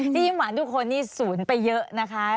ที่ยิ้มหวานทุกคนนี่สูญไปเยอะนะคะ